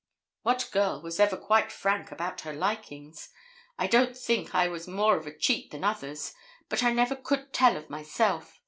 What girl was ever quite frank about her likings? I don't think I was more of a cheat than others; but I never could tell of myself.